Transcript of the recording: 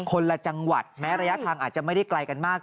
คนละจังหวัดแม้ระยะทางอาจจะไม่ได้ไกลกันมาก